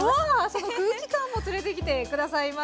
その空気感も連れてきて下さいました。